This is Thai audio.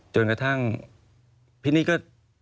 จนกระทั่งพี่นี่ก็